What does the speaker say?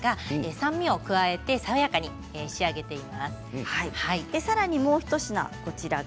酸味を加えて爽やかに仕上げています。